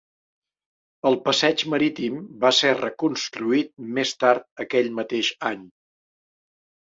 El passeig marítim va ser reconstruït més tard aquell mateix any.